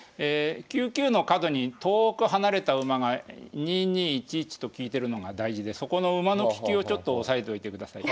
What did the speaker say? ９九の角に遠く離れた馬が２二１一と利いてるのが大事でそこの馬の利きをちょっと押さえといてください。